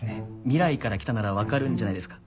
未来から来たなら分かるんじゃないですか？